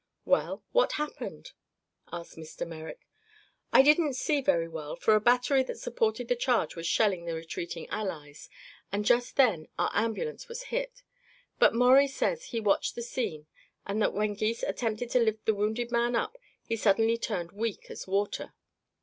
"Well, what happened?" asked Mr. Merrick. "I couldn't see very well, for a battery that supported the charge was shelling the retreating Allies and just then our ambulance was hit. But Maurie says he watched the scene and that when Gys attempted to lift the wounded man up he suddenly turned weak as water.